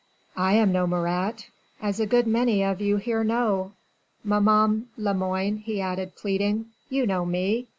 "I am no Marat, as a good many of you here know. Maman Lemoine," he added pleading, "you know me.